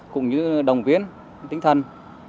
cũng như đồng viên tinh thần